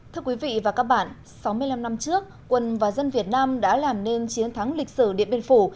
thưa quý vị và các bạn sáu mươi năm năm trước quân và dân việt nam đã làm nên chiến thắng lịch sử điện biên phủ